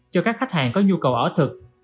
cho các khách hàng có nhu cầu ở thực